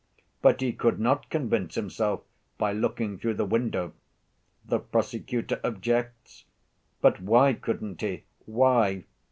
'But he could not convince himself by looking through the window,' the prosecutor objects. But why couldn't he? Why?